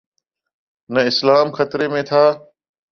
نہ اسلام خطرے میں تھا۔